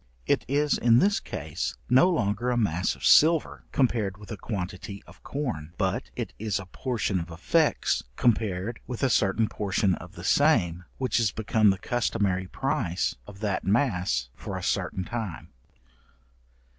It is in this case no longer a mass of silver, compared with a quantity of corn, but it is a portion of effects compared with a certain portion of the same, which is become the customary price of that mass for a certain time.